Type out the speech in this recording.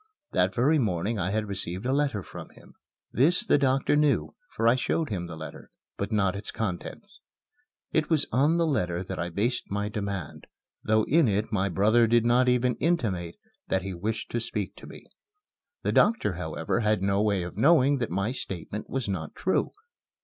That very morning I had received a letter from him. This the doctor knew, for I showed him the letter but not its contents. It was on the letter that I based my demand, though in it my brother did not even intimate that he wished to speak to me. The doctor, however, had no way of knowing that my statement was not true.